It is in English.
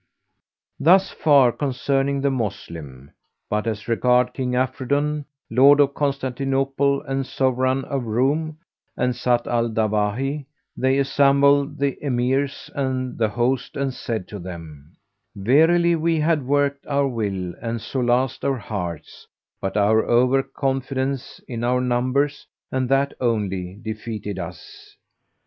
Thus far concerning the Moslem; but as regards King Afridun, Lord of Constantinople and Sovran of Roum, and Zat Al Dawahi, they assembled the Emirs of the host and said to them, "Verily, we had worked our will and solaced our hearts, but our over confidence in our numbers, and that only, defeated us."